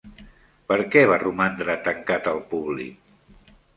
Per què va romandre tancat al públic?